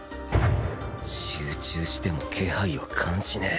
集中しても気配を感じねえ